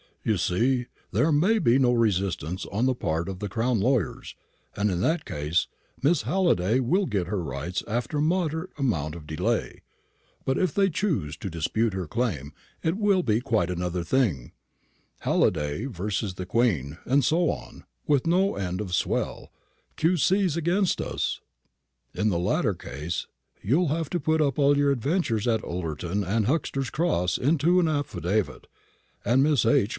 "You see, there may be no resistance on the part of the Crown lawyers; and, in that case, Miss Halliday will get her rights after a moderate amount of delay. But if they choose to dispute her claim, it will be quite another thing Halliday versus the Queen, and so on with no end of swell Q.C.'s against us. In the latter case you'll have to put all your adventures at Ullerton and Huxter's Cross into an affidavit, and Miss H.